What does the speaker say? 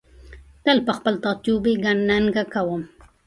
تل په خپل ټاټوبي ننګه کوم